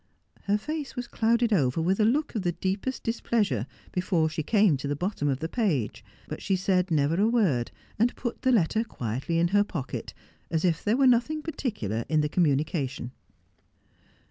Her face was clouded over with a look of the deepest displeasure before she came to the bottom of the page, but she said never a word, and put the letter quietly in her pocket, as if there were nothing particular in the communication.